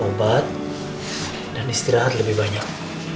obat dan istirahat lebih banyak